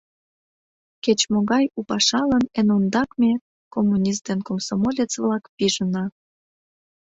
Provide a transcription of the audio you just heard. — Кеч-могай у пашалан эн ондак ме, коммунист ден комсомолец-влак, пижына.